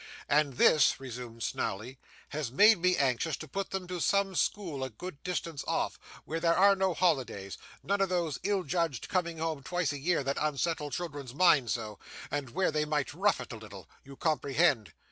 'And this,' resumed Snawley, 'has made me anxious to put them to some school a good distance off, where there are no holidays none of those ill judged coming home twice a year that unsettle children's minds so and where they may rough it a little you comprehend?